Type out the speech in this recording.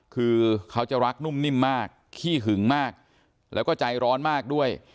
คือเขาจะรักนุ่มนิ่มมากขี้หึงมากแล้วก็ใจร้อนมากด้วย